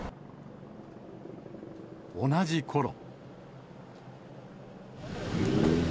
同じころ。